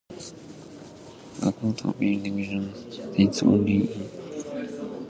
The Court's Appeal division sits only in Hobart.